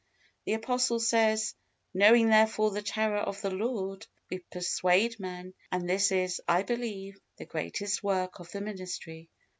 The apostle says, "Knowing therefore the terror of the Lord, we persuade men;" and this is, I believe, the greatest work of the ministry.